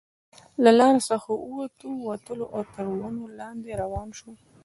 له لارې څخه وو وتلو او تر ونو لاندې روان شوو.